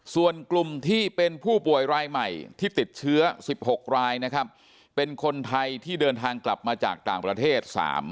ส่วนกลุ่มที่เป็นผู้ป่วยรายใหม่ที่ติดเชื้อ๑๖รายนะครับเป็นคนไทยที่เดินทางกลับมาจากต่างประเทศ๓